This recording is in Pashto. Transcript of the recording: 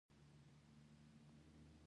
يو ډېر مشهور شاعر ژوند تېر کړی دی